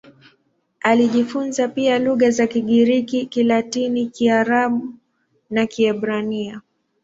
Alijifunza pia lugha za Kigiriki, Kilatini, Kiaramu na Kiebrania.